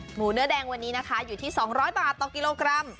หมูเนื้อแดงวันนี้นะคะอยู่ที่๒๐๐บาทต่อกิโลกรัม